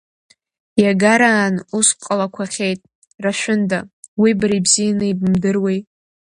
Иагараан ус ҟалақәахьеит, Рашәында, уи бара ибзианы ибымдыруеи…